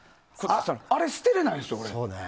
あれ、捨てれないですよ。